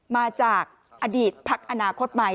มาจากอดีตพักอนาคตใหม่